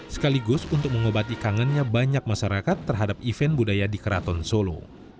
sekaligus untuk mengobati kangennya banyak masyarakat terhadap event budaya di keraton solo